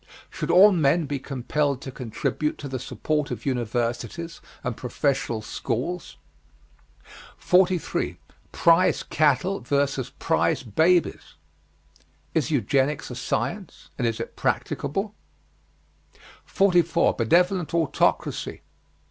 Should all men be compelled to contribute to the support of universities and professional schools? 43. PRIZE CATTLE VS. PRIZE BABIES. Is Eugenics a science? And is it practicable? 44. BENEVOLENT AUTOCRACY.